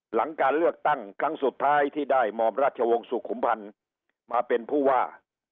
หลังการเลือกตั้งครั้งสุดท้ายที่ได้มอมราชวงศ์สุขุมพันธ์มาเป็นผู้ว่า